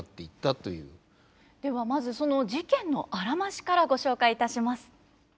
ではまずその事件のあらましからご紹介いたします。